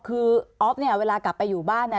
คือออฟเวลากลับไปอยู่บ้าน